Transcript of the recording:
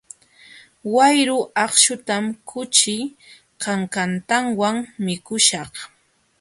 Wayru akśhutam kuchi kankantawan mikuśhaq.